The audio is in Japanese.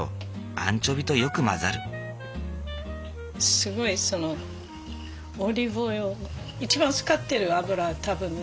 すごいそのオリーブオイル一番使ってる油多分ね。